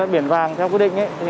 biển vàng theo quy định